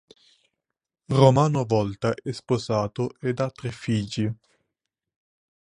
Romano Volta è sposato ed ha tre figli.